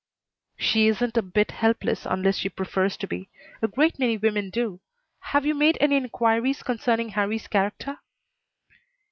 "She isn't a bit helpless unless she prefers to be. A great many women do. Had you made any inquiries concerning Harrie's character?"